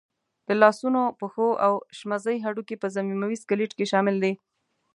د لاسنونو، پښو او شمزۍ هډوکي په ضمیموي سکلېټ کې شامل دي.